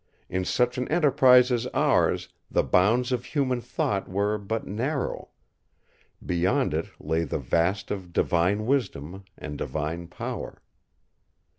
In such an enterprise as ours the bounds of human thought were but narrow. Beyond it lay the vast of Divine wisdom, and Divine power!